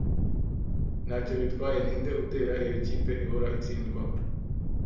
Ntacyo bitwaye ninde utera, iyo kipe ihora itsindwa.